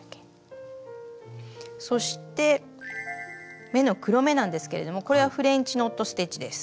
そして目の黒目なんですけれどもこれはフレンチノット・ステッチです。